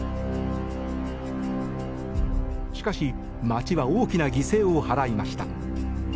しかし街は大きな犠牲を払いました。